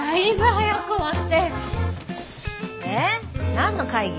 何の会議？